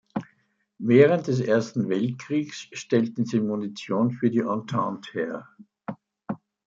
Während des Ersten Weltkriegs stellten sie Munition für die Entente her.